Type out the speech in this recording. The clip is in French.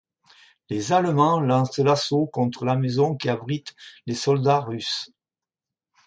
Les Allemands lancent l'assaut contre la maison qui abrite les soldats russes.